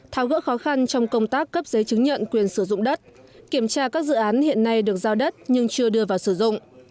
tháo gỡ khó khăn trong công tác cấp giấy chứng nhận quyền sử dụng đất kiểm tra các dự án hiện nay được giao đất nhưng chưa đưa vào sử dụng